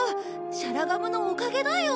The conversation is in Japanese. シャラガムのおかげだよ。